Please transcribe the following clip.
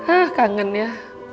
ah kangen ya